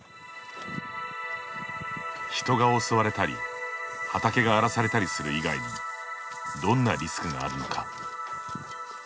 人が襲われたり畑が荒らされたりする以外にどんなリスクがあるのか。